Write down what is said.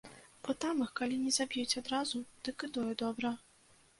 Бо там іх калі не заб'юць адразу, дык і тое добра.